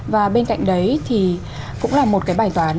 và bên cạnh đấy thì cũng là một cái bài toán